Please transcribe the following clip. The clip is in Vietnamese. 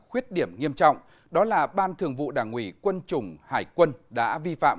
khuyết điểm nghiêm trọng đó là ban thường vụ đảng ủy quân chủng hải quân đã vi phạm